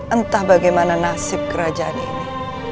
entah bagaimana nasib kerajaan ini